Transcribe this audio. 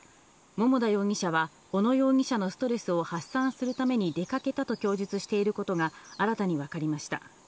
桃田容疑者は、小野容疑者のストレスを発散するために出かけたと供述していることが、新たに分かりました。